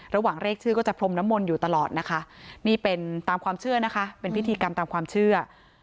ระหว่างเรียกชื่อก็จะพรมน้ำมนต์อยู่ตลอดนะคะนี่เป็นตามความเชื่อนะคะเป็นพิธีกรรมตามความเชื่อ